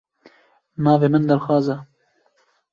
Navê min Dilxwaz e.